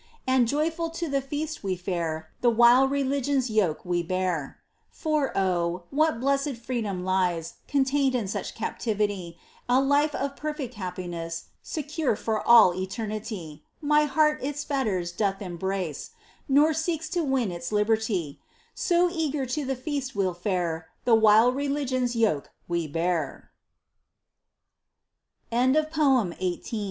And joyful to the feast we fare The while religion's yoke we bear. For oh ! what blessed freedom lies Contained in such captivity — A life of perfect happiness Secure for all eternity ! My heart its fetters doth embrace, Nor seeks to win its liberty. So eager to the feast we'll fare. The while rehgion's yoke we bear ! POEMS. 35 Poem 19.